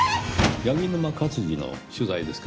柳沼勝治の取材ですか？